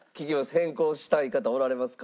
変更したい方おられますか？